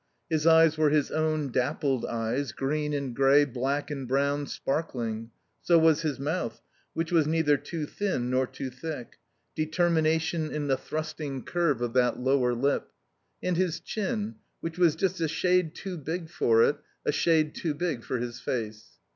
His eyes were his own, dappled eyes, green and grey, black and brown, sparkling; so was his mouth, which was neither too thin nor too thick determination in the thrusting curve of that lower lip and his chin, which was just a shade too big for it, a shade too big for his face.